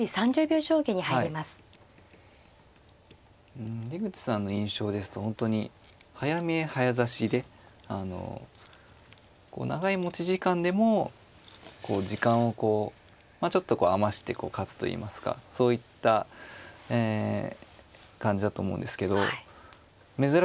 うん出口さんの印象ですと本当に早見え早指しであの長い持ち時間でも時間をこうちょっと余して勝つといいますかそういったえ感じだと思うんですけど珍しいと思います。